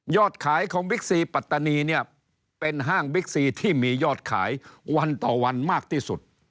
ขายของบิ๊กซีปัตตานีเนี่ยเป็นห้างบิ๊กซีที่มียอดขายวันต่อวันมากที่สุด